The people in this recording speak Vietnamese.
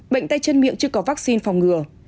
bệnh tay chân miệng chưa có vaccine phòng ngừa